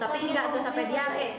tapi enggak tuh sampai diare